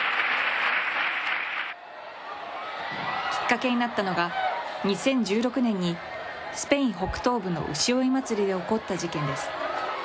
きっかけになったのが、２０１６年にスペイン北東部の牛追い祭りで起こった事件です。